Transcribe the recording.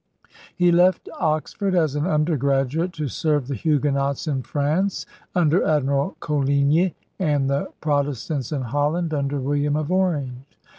He left Oxford as an undergraduate to serve the Huguenots in France under Admiral Coligny and the Protestants in Holland under William of Orange.